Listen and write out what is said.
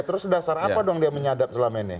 terus dasar apa dong dia menyadap selama ini